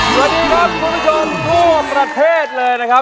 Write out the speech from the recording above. สวัสดีครับคุณผู้ชมทั่วประเทศเลยนะครับ